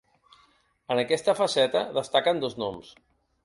En aquesta faceta destaquen dos noms.